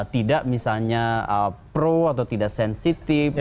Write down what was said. tidak misalnya pro atau tidak sensitif